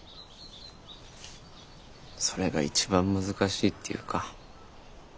それが一番難しいっていうか。